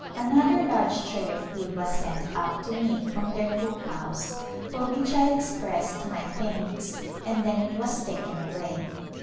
Another large tray of food was sent up to me from their cook house, for which I expressed my thanks and then it was taken away.